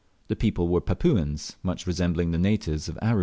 The people were Papuans, much resembling the natives of Aru.